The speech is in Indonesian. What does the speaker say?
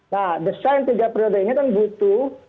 nah desain tiga periode ini kan butuh